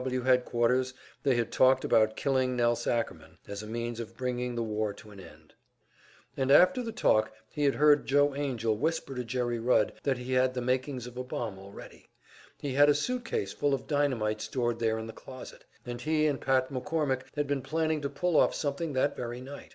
W. W. headquarters, they had talked about killing Nelse Ackerman as a means of bringing the war to an end. And after the talk he had heard Joe Angell whisper to Jerry Rudd that he had the makings of a bomb already; he had a suit case full of dynamite stored there in the closet, and he and Pat McCormick had been planning to pull off something that very night.